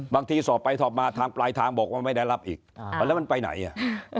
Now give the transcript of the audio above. สอบไปสอบมาทางปลายทางบอกว่าไม่ได้รับอีกอ่าแล้วมันไปไหนอ่ะ